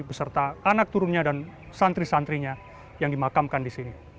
beserta anak turunnya dan santri santrinya yang dimakamkan di sini